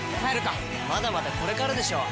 まだまだこれからでしょ！